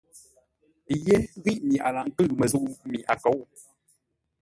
Yé ghíʼ mi a laghʼ ńkʉ̂ʉ məzə̂u mi a kôu.